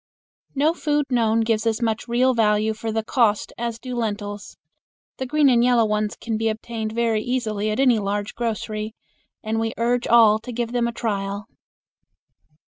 No food known gives as much real value for the cost as do lentils. The green and yellow ones can be obtained very easily at any large grocery, and we urge all to give them a trial.